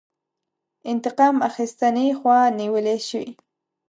انتقام اخیستنې خوا نیولی شي.